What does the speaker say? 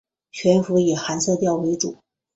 全幅以寒色调为主